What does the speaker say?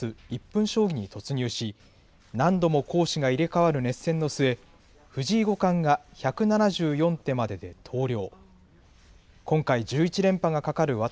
１分将棋に突入し何度も攻守が入れかわる熱戦の末藤井五冠が１７４手までで投了。